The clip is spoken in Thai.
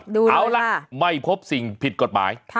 ดูด้วยค่ะเอาล่ะไม่พบสิ่งผิดกฎหมาย